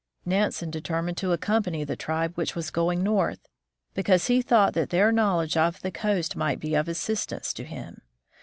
Nansen determined to accompany the tribe which was going north, because he thought that their knowledge of the coast might be of assistance to him.